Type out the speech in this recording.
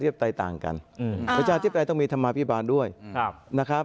แบบไม่รับมั้ยครับ